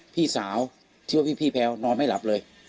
พี่สาวชื่อว่าพี่แพลวนอนไม่หลับเลย